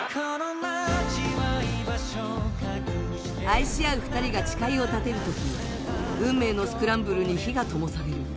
愛し合う２人が誓いを立てる時運命のスクランブルに火がともされる